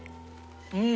うん！